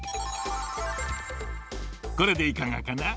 これでいかがかな。